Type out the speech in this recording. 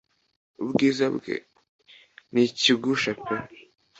Ubwiza bwe nikigusha pe